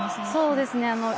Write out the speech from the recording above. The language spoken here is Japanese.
そうですね。